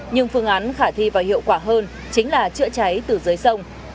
nhưng phương án khả thi và hiệu quả hơn chính là chữa cháy từ dưới sông